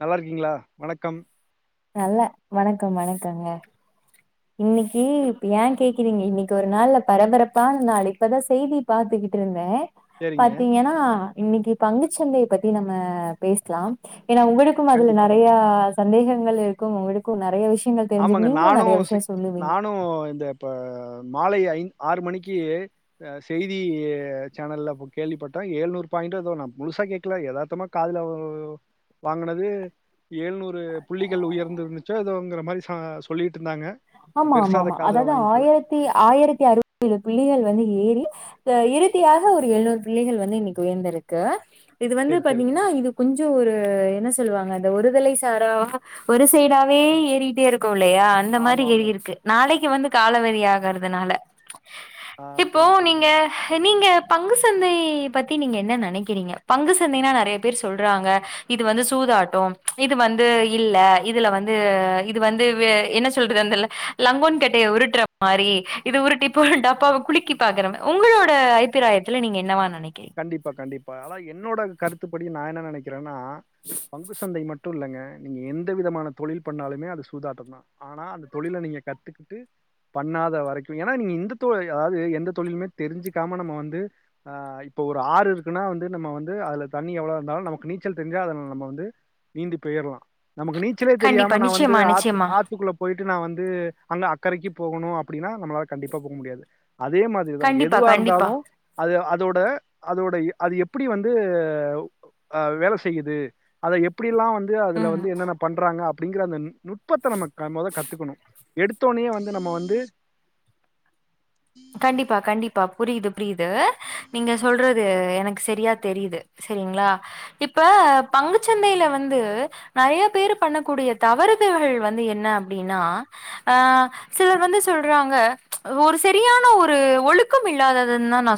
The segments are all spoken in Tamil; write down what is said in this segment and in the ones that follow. நல்லா இருக்கீங்களா வணக்கம் நல்ல வணக்கம் வணக்கங்க இன்னைக்கி இப்ப ஏன் கேக்குறீங்க இன்னைக்கி ஒரு நாள்ல பரபரப்பான நாள் இப்பதா செய்தி பாத்துக்கிட்டு இருந்தே சேரிங்க பாத்தீங்கன்னா இன்னைக்கி பங்குச் சந்தைய பத்தி நம்ம பேசலாம் ஏன்னா உங்களுக்கும் அதுல கண்டிப்பாங்க நெறையா சந்தேகங்கள் இருக் க்கும் உங்களுக்கும் நெறைய விஷ் நீங்கள் தெரி்ஞ்சுக் ஆமாங்க நீங்களு நானு நெறைய செ விஷயோ சொ நானு இந்த இப்ப மாலை ஐந் ஆறு மணிக்கு ஆ செய்தி சேனல்ல இப்ப கேள்விப்பட்டே ஏழ்நூறு பாயிண்டோ ஏதோ நான் முழுசா கேக்கல எதார்த்தமா காதுல வ் வாங்குனது ஏழ்நூறு புள்ளிகள் உயர்ந்துருந்துச்சோ எதோங்கறாப்டி ஹா சொல்லிட் ஆமா ஆமா ஆமா அதாவது ஆயிரத்தி ஆயிரத்தி அறுபத்திஏழு புள்ளிகள் வந்து ஏறி ஆ இறுதியாக ஒரு எழுநூறு புள்ளிகள் வந்து இன்னைக்கி உயர்ந்திருக்கு இது வந்து சேரி சேரிங்க பாத்தீங்கன்னா இது கொஞ்சோ ஒரு என்ன சொ சொல்லுவாங்க அந்த ஒருதலை சாரா ஒரு சைடாவே ஏறிட்டே இருக் இல்லையா அந்த மாரி ஆமா ஆமா ஏறியிருக்கு நாளை இங்க வந்து காலவரிய ஆகறிறதுனால ஆ இப்போ புரியுது நீங்க புரியுதுங்க நீங்க பங்கு சந்தை பத்தி நீங்க என்ன நினைக்கிறீங்க பங்கு சந்தைன்னா நிறைய பேர் சொல்றாங்க இது வந்து சூதாட்டம் இது வந்து இல்ல இதுல வந்து இது வந்து என்ன சொ சொல்லுராங்கள லங்கோன் கட்டையை உருற மாதிரி இது உருட்டிா போ டப்பாவ குலுக்கி பாக்குற மாரி உங்களோட அபிராயத்தில் நீங்க என்னவா நெனைக்கிறீங்க கண்டிப்பா கண்டிப் பா என்னோட கருத்துப்படி நான் என்ன நினைக்கிறே ன்னா பங்கு சந்தை மட்டும் இல்லங்க நீங்க எந்த விதமான தொழில் பண்ணாலுமே அது சூதாட்டம் தான் ஆனா அந்த தொழில நீங்க கத்துக்கிட்டு பண்ணாத வரைக்கும் ஏனா இந்ததொ அதாவது எந்த தொழிலுமே தெரிஞ்சுக்காம நம்ம வந்துஹ இப்போ ஒரு ஆறு இருக்குன்னா வந்து நம்ம வந்து அதில தண்ணி எவ்வளோ இருந்தாலும் நமக்கு நீச்சல் தெரிஞ்சா அத நம்ம வந்து நீந்தி போயிடலாம் நமக்கு நீச்சலே கண்டிப்பா தெரியாம நான் வந்து நிச்சயமா ஆத் நிச்சயமா ஆத்துக்குள்ள போயி ட்டு நான் வந்து அங்க அக்கறைக்கு போகணு அப்படின்னா நம்மளா கண்டிப்பா போக முடியாது அதே மாதிரிதான் கண்டிப்பா எதுவா கண்டிப்பா இருந்தாலும் அது அதோட அதோட அது எப்படி வந்து வேல செய்யுது அதை எப்படிலாம் வந்து அது அதுல ம் வந்து என்னென்ன பண்றாங்க அப் அப்படிங்கிற அந்த நுட்பத்த நம்ம மொத கத்துக்கணும் எடுத்தோனையே வந்து நம்ம வந்து கண்டிப்பா கண்டி ப்ப புரியுது புரியுது நீங்க சொல்றது எனக்கு சரியா தெரியுது சரிங்களா இப்ப பங்குச்சந்தையில வந்து நிறைய பேரு பண்ணக்கூடிய தவறுவுகள் வந்து என்ன அப்படின்னா ஆஹ சிலர் வந்து சொல்றாங்க ஒரு சரியான ஒரு ஒழுக்கம் இல்லாததுதான் நான்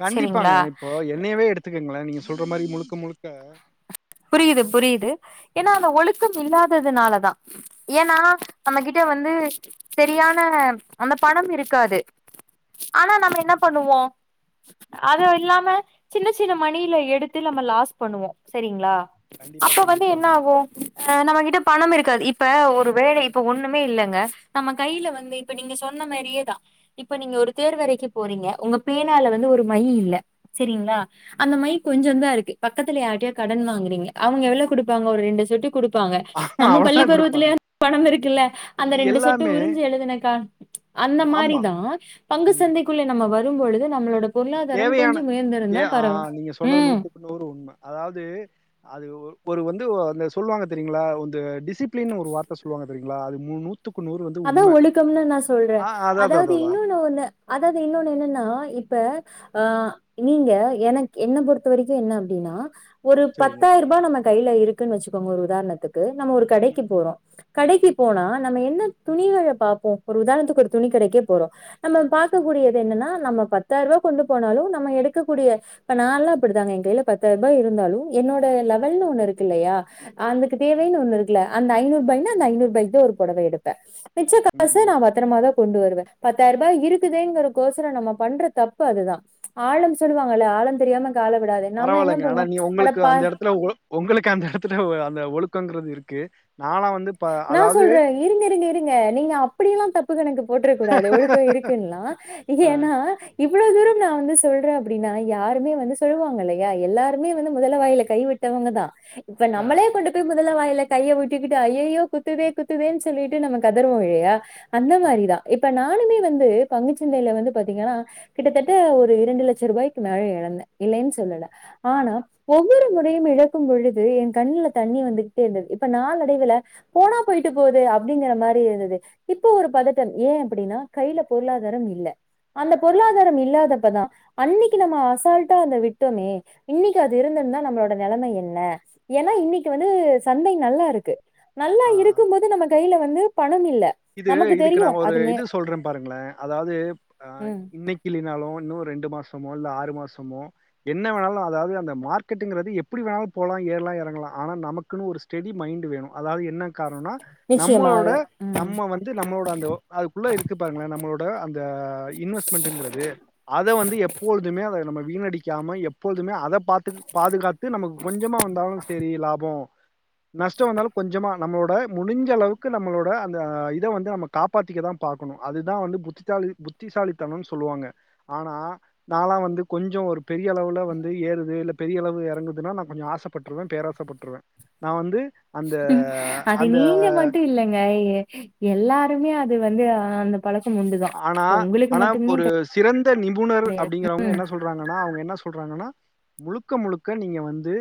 கண்டிப்பாங்க இப்போ என்னையவே எடுத்துக் இருங்களே நீங்க சொல்ற மாதிரி முழுக்க முழுக்க புரியுது புரியுது ஏன்னா அந்த ஒழுக்கம் இல்லாததுனாலதான் ஏன்னா நம்ம கிட்ட வந்து சரியான அந்த பணம் இருக்காது ஆனா நம்ம என்ன பண்ணுவோம் அது இல்லாம சின்ன சின்ன மணில எடுத்து நம்ம லாஸ் பண்ணுவோம் சரிங்களா கண்டிப்பா அப்ப வந்து என்ன கண்டிப்பாங்க ஆகும் நம்ம கிட்ட பணம் இருக்காது இப் இப்ப ஒரு வேலை இப்ப ஒண்ணுமே இல்லைங்க நம்ம கையில வந்து இப்ப நீங்க சொன்ன மாதிரியேதான் இப்ப நீங்க ஒரு தேர் வரைக்கு போறீங்க உங்க பேனால வந்து ஒரு மை இல்ல சரிங்களா அந்த மை கொஞ்சம் தான் இருக்கு பக்கத்துல யாரிட்டயோ கடன் வா ங்க அவங்க எவ்ளோ கொடுப்பாங்க ஒரு ரெண்டு சொட்டு கொடுப்பாங்க ஆமா நம்ம பள்ளி அவ்ளதா குடுப்பாங்க பருவத்துலய பணம் இருக்குல்ல அந்த இது ரெண்டு சொட்டு எல்லாமே உறிஞ்சு எழுதுனெக்கா அந்த ஆமா மாரிதான் பங்கு ம் சந்தைக்குள்ள நம்ம வ வரும்பொழுது நம்மளோட பொருளாதாரம் தேவையான கொஞ்சம் ஏ உயர்ந்திருந்தா பரவா ஆஹ நீங்க சொன்னது ம் நூத்துக்குணூறு உண்மை அதாவது அது ஒரு வந்து அந்த சொல்லுவாங்க தெரியுங்களா வந்து டிஸ் டிசிப்லின்னு ஒரு வார்த்த சொல்லு வாங்க தெரியுங்களா அது ம்முணுத் அதான் ஒழிக்கம்னும் நான சொல்றேன் ஆ அதா அதா அதாவது அதா அதா இன்னொன்னு ஒண்ணு அதாவது இன்னொன்னு என்னன்னா இப்ப ஆ நீங்க எனக் என்ன பொறுத்தவரைக்கு என்ன அப்டின்னா ஒரு செரிங்க பத்தாயிரம் ரூபாய் நமக் கையில இருக்குன்னு வச்சுக்கோங்க ஒரு உதாரணத்துக்கு நம்ம ஒரு கடைக்கு போறோ கட க்கு போனா நம்ம என்ந் துணிகள பாப்போ ஒரு உதாரணத்துக்கு ஒரு துணி கடைக்கே போறோ நம்ம பாக்கக் கூடியது என்னன்னா நம்ம பத்தாயர்ரூவா கொண்டு போனாலு நம்ம எடுக்கக்கூடிய இப்ப நா எல்லா அப்பிடிதாங்க ஏன் கைல பத்தாயர்ரூபா இருந்தாலு என்னோட லெவல்னு ஒண்ணு இருக்கு இல்லையா அதுக்கு தேவைன்னு ஒண்ணு இருக்குல்ல அந்த ஐநூர்ரூபாய்ன்னா அந்தஐநூர்ரூபாய்க்குதா ஒரு பொடவை எடுக் தஷ் மிச்ச காச ம் நா பத்தரமாதா கொண்டு வருவே பத் பத்தாயர்ரூபா இருக்குதேங்கறக்கொசர நம்ம பண்ற தப்பு அதுதா ஆழம் சொல்லுவாங்கல்ல ஆழம் தெரியாம கால விடாத நாம என்ன பரவால்லங்க ஆனா பண்ணுவோ நீ உங்களுக்கு அடப்பா அந்த இடத்துல பரவாயில்லங்க ஆனா நீ உங்களுக்கு அந்த இடத்துல இடத்துல உங்களுக்கு அந்த இடத்துல அந்த ஒழுக்க க்கங்கிறது இருக்கு நான்லாம் வந்து ப நா அதாவது சொல்றே இருங்க இருங்க இருங்க நீங்க அப்படியெல்லா தப் [unintelligible] போட்ரக்கூடாது ஒழுக்கோ இருக்குன்லா அ ஏன்னா இப் இவ்ளவு தூரம் நா வந்து சொல்றே அப்டின்னா யாருமே வந்து சொல்வாங்க இல்லையா எல்லாருமே வந்து முதலை வாயில கைவிட்டவங்கதா இப்ப நம்மளே கொண்டு போய் [unintelligible] மொதல்ல வாய்ல கையை விட்டுகிட்டு ஐ ஐயோ குத்துதே குத்துதேன்னு சொல்லிட்டு நம்ம கதறுவோ இல்லையா அந்த மாரிதா இப்ப நான் நானுமே வந்து பங்குச்சந்தையில வந்து பாத்தீங்கன்னா கிட்டத்தட்ட ஒரு இரண்டு லட்சம் ரூபாய்க்கு மேலே எழந்தே இல்லைன்னு சொல்லல ஆனா ஒவ்வொரு முறையும் இழக்கும் பொழுது என் கண்ணுல தண்ணி வந்துகிட்டே இருந்தது இப்ப நாளடைவுல போனா போயிட்டு போகுது அப்டிங்கிற மாரி இருந்தது இப்ப ஒரு பதட்டம் ஏன் அப்பிடின்னா கையில பொருளாதாரம் இல்ல அந்த பொருளாதாரம் இல்லாதப்பதா அன்னைக்கு நம்ம அசால்ட்டா அத விட்டோமே இன்னைக்கி அது இருந்திருந்தா நம்மளோட நெலைமை என்ன ஏன்னா இன்னைக்கு வந்து சந்தை நல்லா இருக்கு நல்லா அ இருக்கும்போது நம்ம கையில வந்து பண இது இதுக்கு நா ஒரு இது சொல்றே பாருங்களே அதாவது ஆ ம் இன்னைக்கி இல்லைனாலு இன்னொரு ரெண்டு மாசமோ இல்ல ஆறு மாசமோ என்ன வேணாலு அதாவது அந்த மார்கெட்டுங்கறது எப்பிடி வேணாலு போலா ஏறலா எறங்கலா ஆனா நமக்குன்னு ஒரு ஸ்டெடி மைண்டு வேணு அதாவது என்ன கார்ணனா நிச்சயமாக நம்மளோட ம் நம்ம வந்து நம்மளோட அந்த ஓ அதுக்குள்ள இருக்கு பாருங்களே நம்மளோ ப்ப அந் த இன்வெஸ்ட்மெண்டட்ங்கிறது அத வந்து எப்பொழுதுமே அத நம்ம வீணடிக்காம எப்பொழுதுமே அத பாத்து பாதுகாத்து நமக்கு கொஞ்சமா வந்தாலு சரி லாபோ நஷ்டம் வந்தாலு கொஞ்சமா நம்மளோட முடிஞ்ச அளவுக்கு நம்மளோட அந்த இத வந்து நம்ம காப்பாத்திக்கதா பாக்கணு அதுதா வந்து புத்தித்தாலி புத்திசாலித்தனம்னு சொல்லுவாங்க ஆனா நால்லா வந்து கொஞ்சோ ஒரு பெரிய அளவுல வந்து ஏறுது இல்ல பெரிய அளவுல எறங்குதுன்னா நா கொஞ்ச ஆசைப்பட்ருவே பேராசைப்பட்ருவே நா வந்து அந்த அத அந்த நீங்க மட்டு இல்லைங்க எ எல்லாருமே அது வந்து அந் ஆனா ஆனா ஒரு சிறந்த நிபுணர் அப்டிங்கறவங்க என்ன சொல்றாங்கன்னா அவங்க என்ன சொ சொல்றாங்கன்னா முழுக்க முழுக்க நீங்க வந்து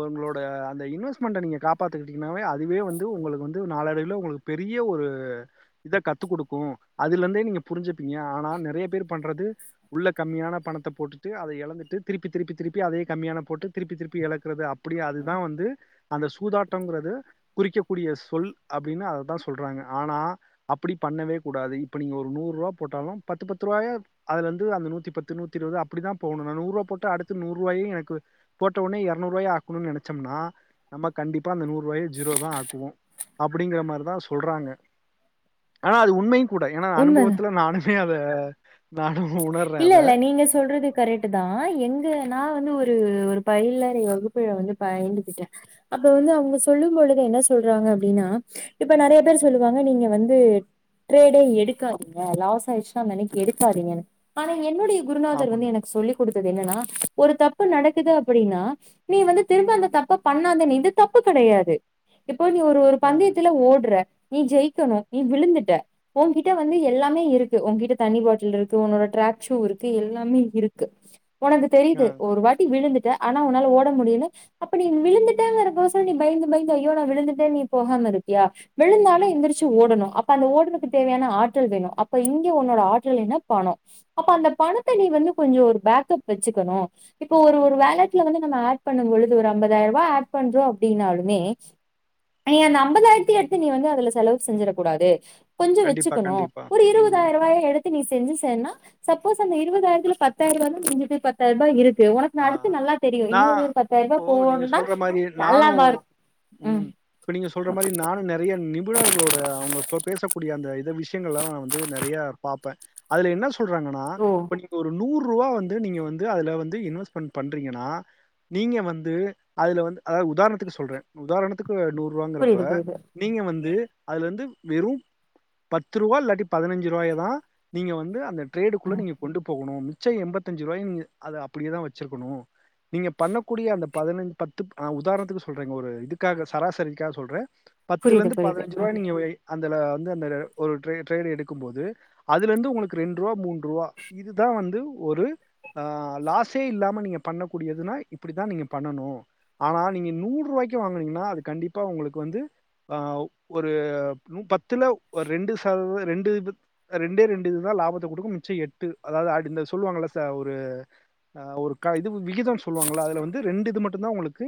உங்களோட அந்த இன்வெஸ்ட்மெண்ட்ட நீங்க காப்பாத்திக்கிட்டீங்கனாவே அதுவே வந்து உங்களுக்கு வந்து நாளடைவில உங்களுக்கு பெரிய ஒரு இத கத்து குடுக்கு அதுல இருந்தே நீங்க புரிஞ்சுப்பீங்க ஆனா நெறைய பேர் பண்றது உள்ள கம்மியான பணத்த போட்டு அதை இழந்து தப்பி திருப்பி திருப்பி அத கம்மிய போட்டு திருப்பி திருப்பி அப் அப்புடியா அதுதா வந்து அந்த சூதாட்டங்கறது குறிக்கக்கூடிய சொல் அப்படின்னு அதை தான் சொல்றாங்க ஆனா அப்டி பண்ணவே கூடாது இப்படி நூறுவா போட்டாலும் பத்து பத்து ரூவாயா அதுல இருந்து நூத்திபத்து நூத்திஇருவது அப்படித்தா போடணும் நூறு ரூபா போட்டா அடுத்த நூறு ரூவாயும் எரணுருவா ஆக்கனும்னு நெனச்சம்னா நம்ம கண்டிா அந்த நூறு ஒரே ஜீரோ தா ஆக்குவோ அப்புடிங்கிற மாரிதான் சொல்றாங்க ஆனா அது உண்மை கூட ஏனா அனுப் உண்ம [unintelligible] [unintelligible] உணர்றே இல்ல அத இல்ல நீங்க சொல்றது கரெக்ட் தான் எங்க நான் வந்து ஒரு ஒரு பயிலறை வகுப்பழை வந்து பயந்துகிட்டேன் அப்ப வந்து அவங்க சொல்லும் பொழுது என்ன சொல்றாங்க அப்புடின்னா இப்ப நெறைய பேர் சொல்லுவாங்க நீங்க வந்து ட்ரேடே எடுக்காதீங்க லாஸ் ஆயிடுச்சுன்னா அந்த அன்னைக்கு எடுக்காதீங்க ஆனா என்னுடைய குருநாதர் ஆமாங்க. வந்து எனக்கு சொல்லிக் கொடுத்தது என்னன்னா ஒரு தப்பு நடக்குது அப்புடின்னா நீ வந்து திரும்ப அந்த தப்ப பண்ணாத நீ இது தப்பு கெடையாது இப்ப நீ ஒரு ஆ, பந்தயத்துல ஓடுற நீ ஜெயிக்கணும் நீ விழுந்துட்ட உங்கிட்ட வந்து எல்லாமே இருக்கு உங்கிட்ட தண்ணி பாட்டில் இருக் உன்னோட ட்ராக் ஷூ இருக்கு எல்லாமே இருக்கு ஒனக்கு ஆ. தெரியுது ஒரு வாட்டி விழுந்துட் ஆனா உன்னால ஓட முடியுது அப்ப நீ விழுந்துட்டங்கறக்வசரம் நீ பயந்து பயந்து ஐயோ நான் விழுந்துட்ட நீ போகாம‌ இருப்பியா விழுந்தாலு எந்திரிச்சு ஓடணு அப்போ அது ஓடறதுக்கு தேவையான ஆற்றல் வேணும் அப்போ எங்கே உன்னோட ஆற்றல்னு பணம் அப்ப அந்த பணத்தை நீ வந்து கொஞ்சம் ஒரு பேக்கப் வச்சுக்கணும் இப்ப ஒரு ஒரு வேலட்ல வந்து நம்ம ஆட் பண்ணும் பொழுது ஒரு ஐம்பதாயிரம் ரூபாய் ஆட் பண்றோம் அப்படினாலுமே நீ அந்த ஐம்பதாயிரத்த எடுத்து நீ வந்து அதுல செலவு செஞ்சிற கூடாது கொஞ்சம் கண்டிப்பா, வச்சுக்கணும் கண்டிப்பா. ஒரு ம். இருபதாயிரம் ரூவாய எடுத்து நீ செஞ்சு சப்போஸ் அந்த இருபதாயிரத்துல பத்தாயிரம் ரூவா மிஞ்சுது பத்தாயிர ரூவா இருக் ஆ நான இப்போ நீங்க போனா சொல்ற மாரி நானும் நல்லாவா இருக்கும். ம் இப்ப நீங்க சொல்ற மாரி நானும் நெறைய மீனவர்களோட அவங்க பேசக்கூடிய அந்த விஷயங்கல்லாம் வந்து நெறைய பாப்பேன் அதுல என்ன சொ சொல்றாங்கன்னா ஓ! இப்ப நீங்க ஒரு நூறு ருபா வந்து நீங்க வந்து அதுல வந்து இன்வெஸ்ட் ரீபண்ட் பண்றீங்கின்னா நீங்க வந்து அதுல வந்து அதாவது உதாரணத்துக்கு சொல்றேன் உதாரணத்துக்கு நூறு ரூவாங்கிறப்ப புரியுது, புரியுது. நீங்க வந்து அதுல இருந்து வெறும் பத்து ருவா இல்லாட்டி பதினஞ்சு ருவாய தான் நீங்க வந்து அந்த டரேடுக்குள்ள ம். நீங்க கொண்டு போகணும் மிச்சம் எம்பத்தஞ்சு ரூவாய அப்படியேதா வச் வச்சிருக்கணும் இருக்கணும் நீங்க பண்ணக்கூடிய அந்த பதினை பத்து உதாரணத்துக்கு சொல்றங்க ஒரு இதுக்காக சராசரிக்காக சொல்றேன் புரியுது, பத்துலருந்து புரியுது. ஆ. பதினஞ்சு ருபவாய நீங்க வை அந் இதுல வந்து அந்த ஒரு டெரியின் எடுக்கும்போது அதுல இருந்து உங்களுக்கு ரெண்டு ரூபா மூன்று ரூபா இதுதான் வந்து ஒரு லாஸ் இதே இல்லாம நீங்க பண்ணக்கூடியதுனா இப்டித்தான் நீங்க பண்ணணும் ஆனா நீங்க நூறு ரூபாய்க்கு வாங்கனீங்கன்னா அது கண்டிப்பா உங்களுக்கு வந்து ஆஹ் ஒரு பத்துல ஒரு ரெண்டு சம் ரெண்டு ரெண்டே ரெண்டு இதுதான் லாபத்தை கொடுக்க மிச்சம் எட்டு அதாவது இந்த சொல்லுவாங்கள ச ஒரு ஆஹ ஒரு இது விகிதம் சொல்லுவாங்களா அதுல வந்து ரெண்டு இது மட்டும்தான் உங்களுக்கு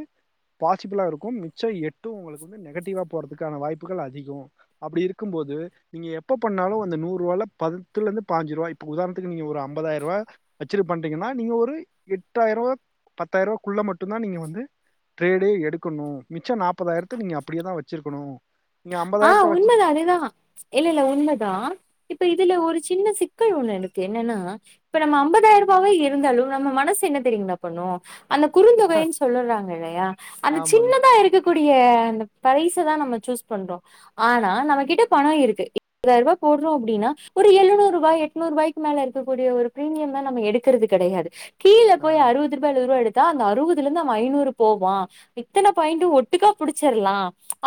பாசிபிளா இருக்கும் மிச்சம் எட்டும் உங்களுக்கு வந்து நெகட்டிவா போறதுக்கான வாய்ப்புகள் அதிகம் அப்படி இருக்கும்போது நீங்க எப்ப பண்ணாலும் அந்த நூறு ரூபா பத்துல இருந்து பாஞ்சு ரூபா இப்ப உதாரணத்துக்கு நீங்க ஒரு அம் ஐம்பதாயிர ரூபா ர்ரு பண்றுங்கின்னா நீங்க ஒரு எட்டாயர்ரூவா பத்தாயர்ரூவாக்குள்ள மட்டும்தா நீங்க வந்து ட்ரேடே எடுக்கணு மிச்ச நாப்பதாயிரத்துக்கு நீங்க அப்பிடியேதா வச் வச்சுருக்கணு ஆஹ் உண்மைதா அதேதா இல்ல இல்ல உண்மைதா இப்ப இதுல ஒரு சின்ன சிக்கல் ஒண்ணு இருக்கு என்னன்னா இப்ப நம்ம அம்பதாயர்ரூபாவே இருந்தாலு நம்ம மனசு என்ன தெரியுங்களா பண்ணு அந்த குறுந்தொகைன்னு சொல்லறாங்க இல்லையா அந்த ஆமாங்க. சின்னதா இருக்கக் க்கூடிய அந்த ப்ரைஸதா நம்ம சூஸ் பண்றோ ஆனா நம்ம கிட்ட பணோ இருக்கு இருபதாயர்ரூபா போடுறோ அப்டின்னா ஒரு எழுநூறு ரூபா எட்நூறு ரூபாய்க்கு மேல இருக்கக்கூடிய ஒரு பிரீமியம்லா நம்ம எடுக்குறது கெடையாது கீழ ஆ. போய் அறுபது ரூபா எழுபது ரூபா எடுக் த்தா அந்த அறுபதுல இருந்து அவ ஐநூறு போவா இத்தன பாயிண்டு ஒட்டுக்கா பிடிச்சிரலா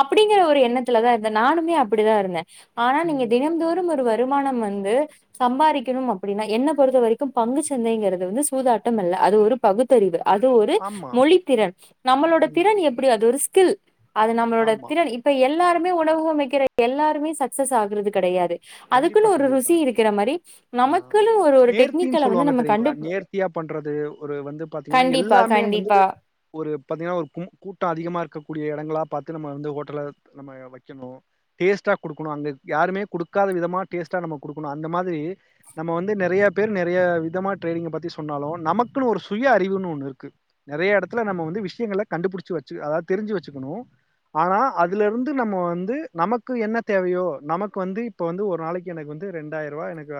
அப்படிங்கிற ஒரு எண்ணத் ல்லதா இருந்தே நானுமே அப்டிதா இருந்தே ஆனா நீங்க ம். தினம்தோறும் ஒருவர் வருமானம் வந்து சம்பாரிக்கணு அப்பிடின்னா என்ன பொறுத்தவரைக்கு பங்கு சந்தைங்கிறது வந்து சூதாட்டம் அல்ல அது ஒரு பகுத்தறிவு அது ஒரு ஆமா. மொழி திறன் நம்மளோட ம். திறன் எப்டி அது ஒரு கிழ் அது நம்மளோட ஆமா. திறன் இப்ப எல் ன்னு உணவு அமைக்கிற எல்லாருமே சக்சஸ் ஆகுறது கெடையாது கண்டிப்பா கண்டிப்பா ஆஹ் நமக்குன்னு ஒரு ஒரு நேர்த்தின்னு டெக்னிக்கல வந்து சொல்லுவாங்க நம்ம தெரியுங்களா கண்டு நேர்த்தியா பண்றது ஒரு வந்து பாத்தீங்கன்னா கண்டிப்பா, எல்லாமே வந்து கண்டிப்பா. ஒரு பாத்தீங்கன்னா ஒரு கூ கூட்டோ அதிகமா இருக்கக்கூடிய எடங்களா பாத்து நம்ம வந்து ஹோட்டல நம்ம வைக்கணு டேஸ்டா குடுக்கணு அங்க யாருமே குடுக் க்காத விதமா டேஸ்ட்டாக நம்ம குடுக்கணு அந்த மாதிரி நம்ம வந்து நெறைய பேர் நெறைய விதமமா டிரேடிங் பத்தி சொன்னாலு நமக்குன்னு ஒரு சுய அறிவுன்னு ஒண்ணு இருக்கு நெறைய எடத்துல நம்ம வந்து விஷயங்கள கண்டுபிடிச்சு வச்சு அதாவது தெரிஞ்சு வச்சுக்கணு ஆனா அதுல இருந்து நம்ம வந்து நமக்கு என்ன தேவையோ நமக்கு வந்து இப்ப வந்து ஒரு நாளைக்கு எனக்கு வந்து ரெண்டாயர்ரூவா எனக்கு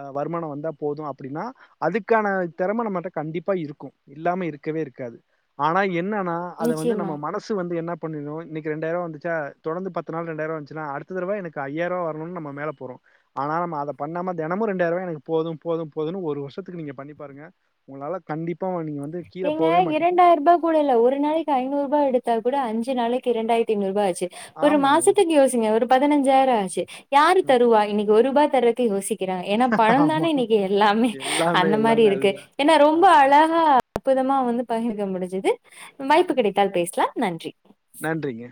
ஆ வருமானம் வந்தா போது அப்டின்னா அதுக்கான திறம நம்மட்ட கண்டிப்பா இருக்கும் இல்லாம இருக்கவே இருக்காது ஆனா என்ன னா அத வந்து நிச்சயமா. நம்ம மனசு வந்து என்ன பண்ணிரனு இன்னக்கி ரெண்டாயர்ரூவா வந்துச்சா தொடர்ந்து பத்து நாள் ரெண்டாயர்ரூவா வந்துச்சுனா அடுத்த தடவ எனக்கு ஐயாயர்ரூவா வர சொன்னவுன்னே நம்ம மேல போறோ ஆனா நம்ம அத பண்ணாம தெனமு ரெண்டாயர்ரூவா எனக்கு போது போது போதுன்னு ஒரு வருஷத்துக்கு நீங்க பண்ணிப் பாருங்க உங்களால கண்டிப்பா நீங்க வந் நீங்க இரண்டாயர்ரூபா கூட இல்ல ஒரு நாளைக்கி ஐநூர்ரூபா எடுத்தா கூட அஞ் [unintelligible] நாளைக்கு இரண்டாயிரத்தி ஐநூருபா ஆச் ச்சு ஒரு ஆமாங்க. மாசத்துக்கு யோசிங்க ஒரு பதினஞ்சாயிர ஆச்சு யாரு ம். தருவா இன்னக்கி ஒரு ருபா தர்றக்கு யோசி க்கிறாங்க ஏன்னா ஆமா. பணம்தானே இன்னைக்கு எல்லாமே எல்லாமே, அந்த மாரி எல்லாமே. அதுதான். இருக்கு ஏன்னா ரொம்ப ஆமா அழகா அற்புதமா வந்து பகிர்ந்துக்க முடிஞ்சது வாய்ப்பு கிடைத்தால் பேசலாம் நன்றி நன்றிங்க